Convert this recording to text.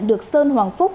được sơn hoàng phúc